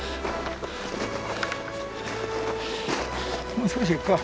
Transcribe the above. もう少し行くか。